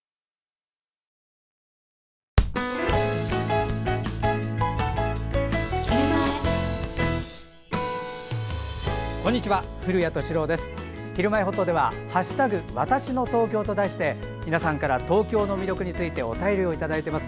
「ひるまえほっと」では「＃わたしの東京」と題して皆さんから東京の魅力についてお便りをいただいています。